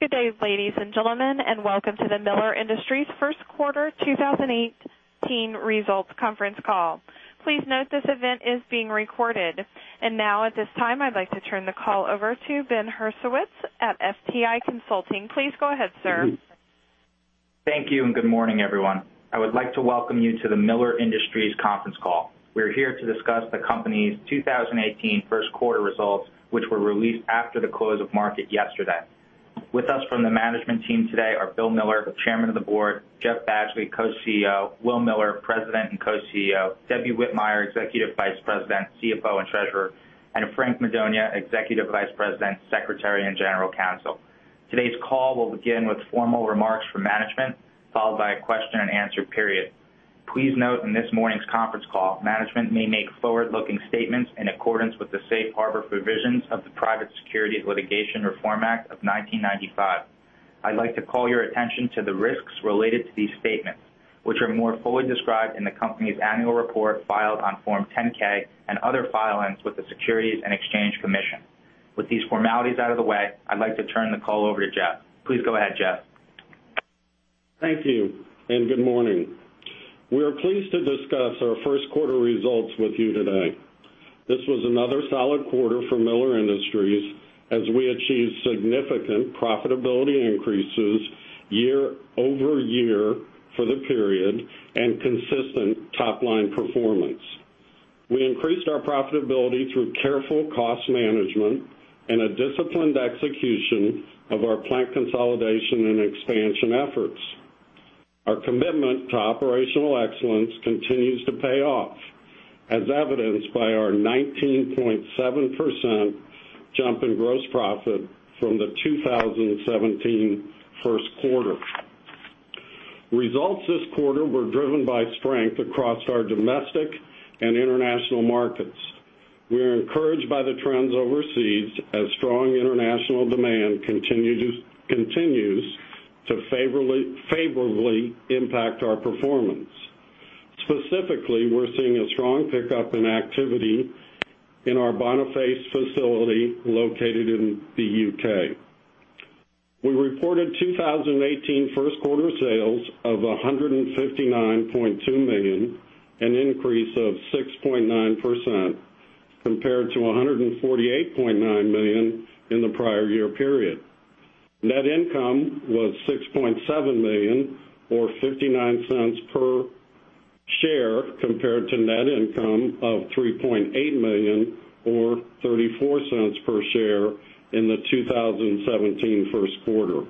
Good day, ladies and gentlemen, and welcome to the Miller Industries First Quarter 2018 Results Conference Call. Please note this event is being recorded. Now at this time, I'd like to turn the call over to Ben Herskowitz at FTI Consulting. Please go ahead, sir. Thank you, good morning, everyone. I would like to welcome you to the Miller Industries conference call. We're here to discuss the company's 2018 first quarter results, which were released after the close of market yesterday. With us from the management team today are Bill Miller, the Chairman of the Board; Jeff Badgley, Co-CEO; Will Miller, President and Co-CEO; Debbie Whitmire, Executive Vice President, CFO, and Treasurer; Frank Madonia, Executive Vice President, Secretary, and General Counsel. Today's call will begin with formal remarks from management, followed by a question and answer period. Please note, in this morning's conference call, management may make forward-looking statements in accordance with the safe harbor provisions of the Private Securities Litigation Reform Act of 1995. I'd like to call your attention to the risks related to these statements, which are more fully described in the company's annual report filed on Form 10-K and other filings with the Securities and Exchange Commission. With these formalities out of the way, I'd like to turn the call over to Jeff. Please go ahead, Jeff. Thank you, good morning. We are pleased to discuss our first quarter results with you today. This was another solid quarter for Miller Industries as we achieved significant profitability increases year-over-year for the period and consistent top-line performance. We increased our profitability through careful cost management and a disciplined execution of our plant consolidation and expansion efforts. Our commitment to operational excellence continues to pay off, as evidenced by our 19.7% jump in gross profit from the 2017 first quarter. Results this quarter were driven by strength across our domestic and international markets. We are encouraged by the trends overseas as strong international demand continues to favorably impact our performance. Specifically, we're seeing a strong pickup in activity in our Boniface facility located in the U.K. We reported 2018 first quarter sales of $159.2 million, an increase of 6.9% compared to $148.9 million in the prior year period. Net income was $6.7 million or $0.59 per share, compared to net income of $3.8 million or $0.34 per share in the 2017 first quarter.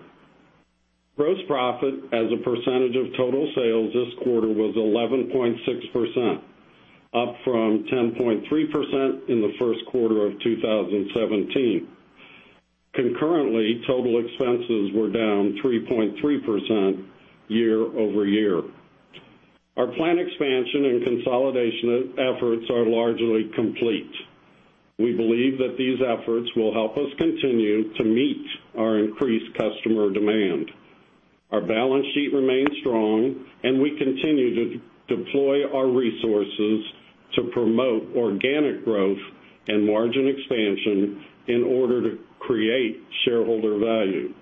Gross profit as a percentage of total sales this quarter was 11.6%, up from 10.3% in the first quarter of 2017. Concurrently, total expenses were down 3.3% year-over-year. Our plant expansion and consolidation efforts are largely complete. We believe that these efforts will help us continue to meet our increased customer demand. Our balance sheet remains strong, and we continue to deploy our resources to promote organic growth and margin expansion in order to create shareholder value.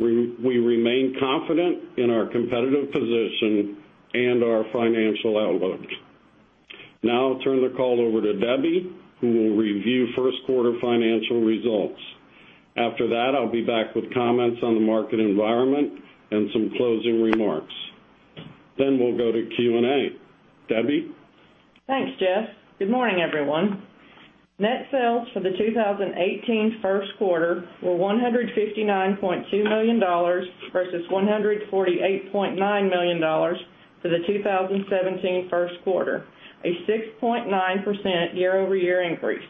We remain confident in our competitive position and our financial outlook. Now I'll turn the call over to Debbie, who will review first quarter financial results. After that, I'll be back with comments on the market environment and some closing remarks. We'll go to Q&A. Debbie? Thanks, Jeff. Good morning, everyone. Net sales for the 2018 first quarter were $159.2 million versus $148.9 million for the 2017 first quarter, a 6.9% year-over-year increase.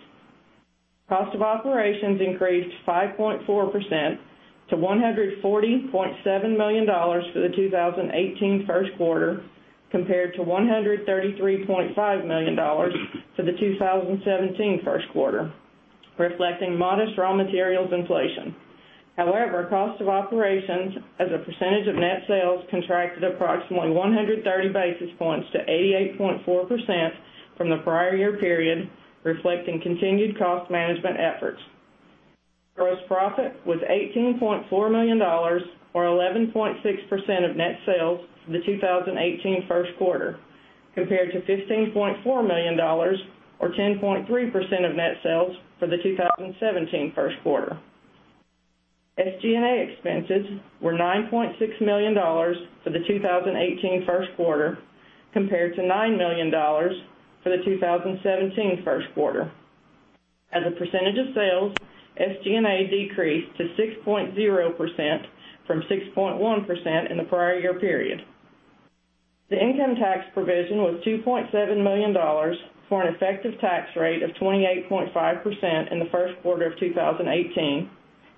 Cost of operations increased 5.4% to $140.7 million for the 2018 first quarter, compared to $133.5 million for the 2017 first quarter, reflecting modest raw materials inflation. However, cost of operations as a percentage of net sales contracted approximately 130 basis points to 88.4% from the prior year period, reflecting continued cost management efforts. Gross profit was $18.4 million or 11.6% of net sales for the 2018 first quarter, compared to $15.4 million or 10.3% of net sales for the 2017 first quarter. SG&A expenses were $9.6 million for the 2018 first quarter, compared to $9 million for the 2017 first quarter. As a percentage of sales, SG&A decreased to 6.0% from 6.1% in the prior year period. The income tax provision was $2.7 million for an effective tax rate of 28.5% in the first quarter of 2018,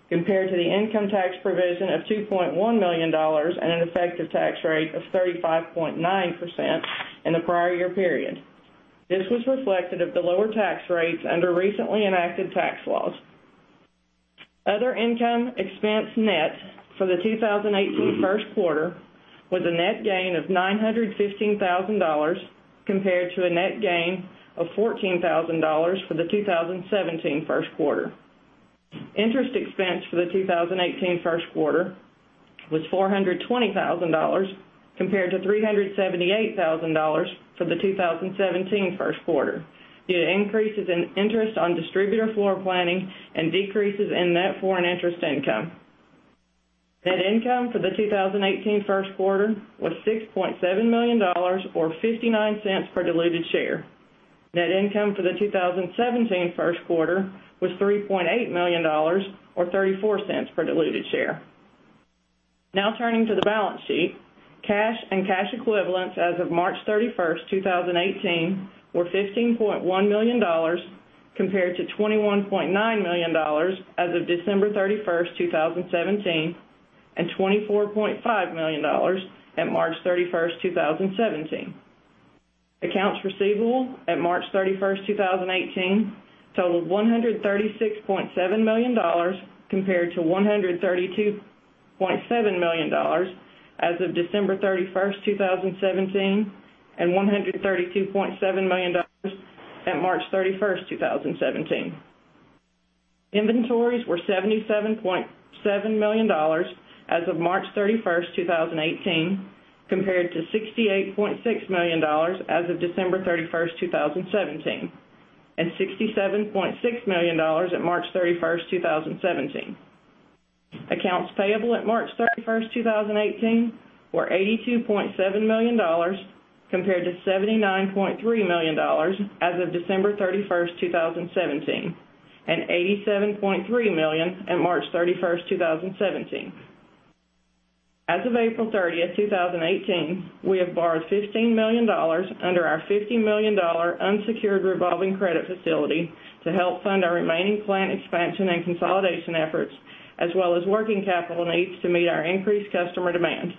compared to the income tax provision of $2.1 million and an effective tax rate of 35.9% in the prior year period. This was reflected of the lower tax rates under recently enacted tax laws. Other income expense net for the 2018 first quarter was a net gain of $915,000 compared to a net gain of $14,000 for the 2017 first quarter. Interest expense for the 2018 first quarter was $420,000 compared to $378,000 for the 2017 first quarter, due to increases in interest on distributor floor planning and decreases in net foreign interest income. Net income for the 2018 first quarter was $6.7 million, or $0.59 per diluted share. Net income for the 2017 first quarter was $3.8 million, or $0.34 per diluted share. Turning to the balance sheet. Cash and cash equivalents as of March 31st, 2018, were $15.1 million, compared to $21.9 million as of December 31st, 2017, and $24.5 million at March 31st, 2017. Accounts receivable at March 31st, 2018, totaled $136.7 million, compared to $132.7 million as of December 31st, 2017, and $132.7 million at March 31st, 2017. Inventories were $77.7 million as of March 31st, 2018, compared to $68.6 million as of December 31st, 2017, and $67.6 million at March 31st, 2017. Accounts payable at March 31st, 2018, were $82.7 million, compared to $79.3 million as of December 31st, 2017, and $87.3 million at March 31st, 2017. As of April 30th, 2018, we have borrowed $15 million under our $50 million unsecured revolving credit facility to help fund our remaining plant expansion and consolidation efforts, as well as working capital needs to meet our increased customer demand.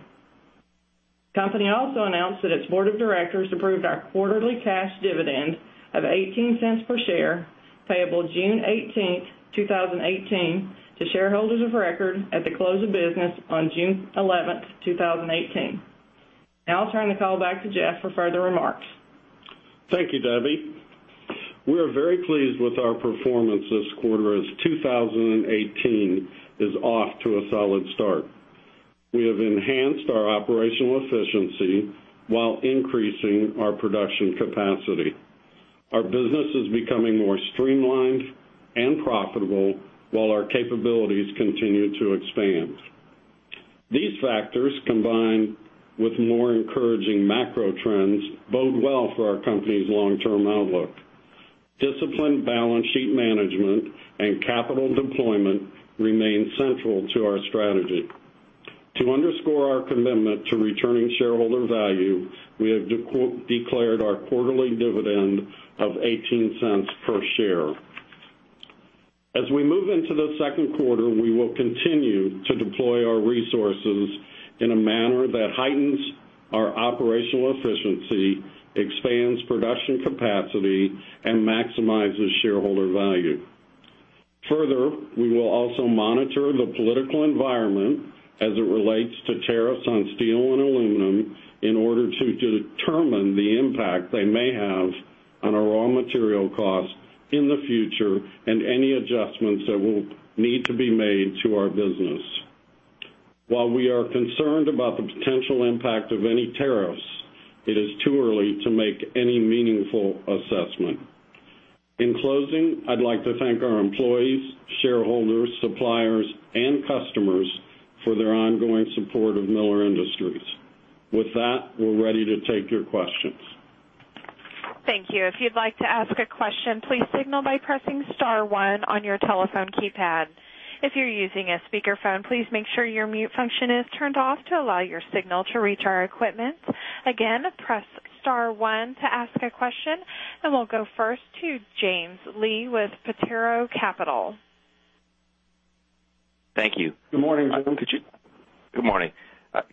Company also announced that its board of directors approved our quarterly cash dividend of $0.18 per share, payable June 18th, 2018, to shareholders of record at the close of business on June 11th, 2018. I'll turn the call back to Jeff for further remarks. Thank you, Debbie. We are very pleased with our performance this quarter, as 2018 is off to a solid start. We have enhanced our operational efficiency while increasing our production capacity. Our business is becoming more streamlined and profitable while our capabilities continue to expand. These factors, combined with more encouraging macro trends, bode well for our company's long-term outlook. Disciplined balance sheet management and capital deployment remain central to our strategy. To underscore our commitment to returning shareholder value, we have declared our quarterly dividend of $0.18 per share. As we move into the second quarter, we will continue to deploy our resources in a manner that heightens our operational efficiency, expands production capacity, and maximizes shareholder value. We will also monitor the political environment as it relates to tariffs on steel and aluminum in order to determine the impact they may have on our raw material costs in the future and any adjustments that will need to be made to our business. While we are concerned about the potential impact of any tariffs, it is too early to make any meaningful assessment. In closing, I'd like to thank our employees, shareholders, suppliers, and customers for their ongoing support of Miller Industries. With that, we're ready to take your questions. Thank you. If you'd like to ask a question, please signal by pressing *1 on your telephone keypad. If you're using a speakerphone, please make sure your mute function is turned off to allow your signal to reach our equipment. Again, press *1 to ask a question, and we'll go first to James Lee with Potrero Capital. Thank you. Good morning. Good morning.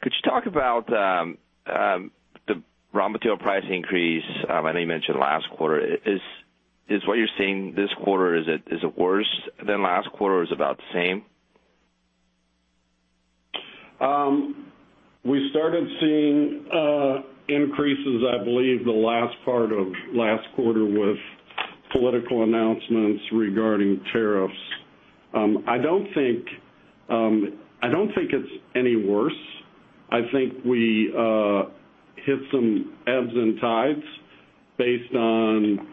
Could you talk about the raw material price increase? I know you mentioned last quarter. Is what you're seeing this quarter, is it worse than last quarter, or is it about the same? We started seeing increases, I believe, the last part of last quarter with political announcements regarding tariffs. I don't think it's any worse. I think we hit some ebbs and tides based on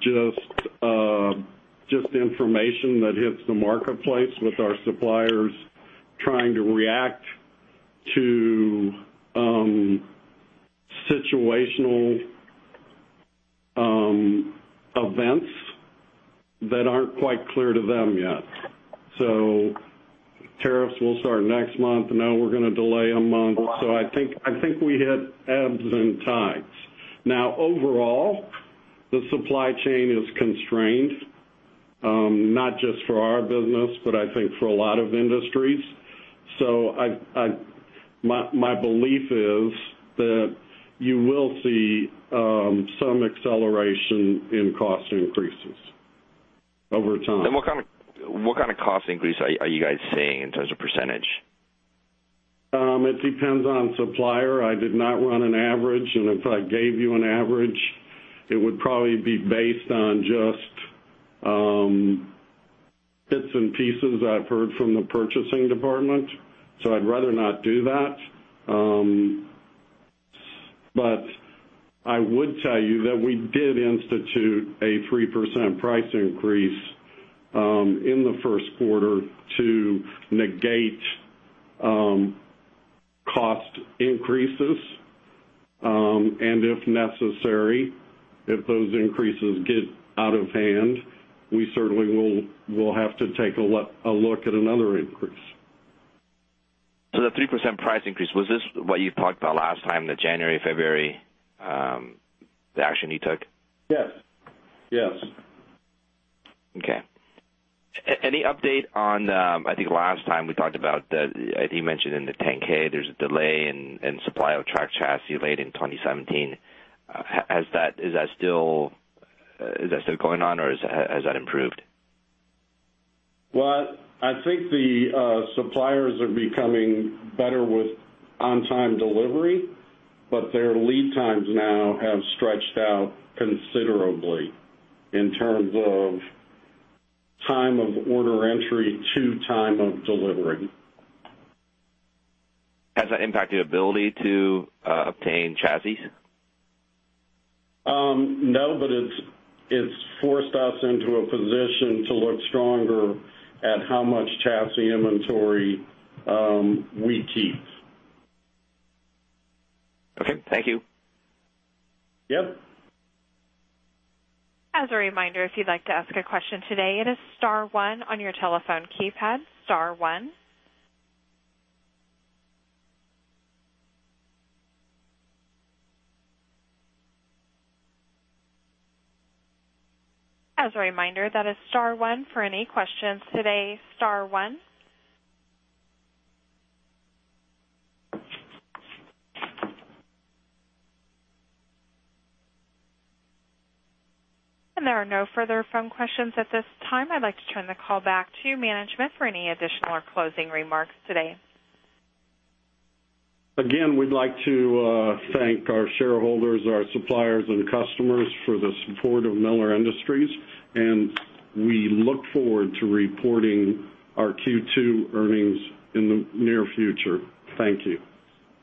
just information that hits the marketplace with our suppliers trying to react to situational events that aren't quite clear to them yet. Tariffs will start next month. Now we're going to delay a month. I think we hit ebbs and tides. Now, overall, the supply chain is constrained, not just for our business, but I think for a lot of industries. My belief is that you will see some acceleration in cost increases over time. What kind of cost increase are you guys seeing in terms of %? It depends on supplier. I did not run an average, if I gave you an average, it would probably be based on just bits and pieces I've heard from the purchasing department. I'd rather not do that. I would tell you that we did institute a 3% price increase in the first quarter to negate cost increases. If necessary, if those increases get out of hand, we certainly will have to take a look at another increase. The 3% price increase, was this what you talked about last time, the January, February, the action you took? Yes. Okay. Any update on, I think last time we talked about the, as you mentioned in the 10-K, there's a delay in supply of truck chassis late in 2017. Is that still going on, or has that improved? Well, I think the suppliers are becoming better with on-time delivery, but their lead times now have stretched out considerably in terms of time of order entry to time of delivery. Has that impacted ability to obtain chassis? No, it's forced us into a position to look stronger at how much chassis inventory we keep. Okay. Thank you. Yep. As a reminder, if you'd like to ask a question today, it is star one on your telephone keypad. Star one. As a reminder, that is star one for any questions today. Star one. There are no further phone questions at this time. I'd like to turn the call back to management for any additional or closing remarks today. Again, we'd like to thank our shareholders, our suppliers, and customers for the support of Miller Industries, and we look forward to reporting our Q2 earnings in the near future. Thank you.